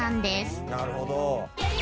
なるほど。